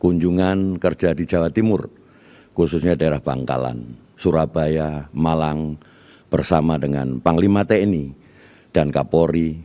kunjungan kerja di jawa timur khususnya daerah bangkalan surabaya malang bersama dengan panglima tni dan kapolri